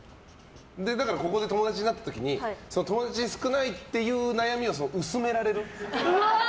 だからここで友達になった時に友達少ないっていう悩みを薄められる。